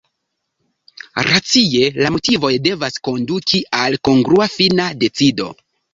Racie la motivoj devas konduki al kongrua fina decido.